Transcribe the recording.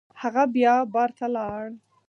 هغه بیا بار ته لاړ.